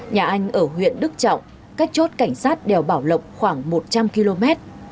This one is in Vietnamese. nhà anh ở huyện đức trọng cách chốt cảnh sát đèo bảo lộc khoảng một trăm linh km